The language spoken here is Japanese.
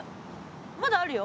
まだあるよ。